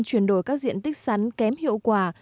chuyển đổi các diện tích sắn kém hiệu quả